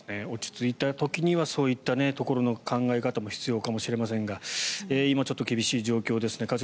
落ち着いた時にはそういった考え方も必要かもしれませんが今、ちょっと厳しい状況ですね。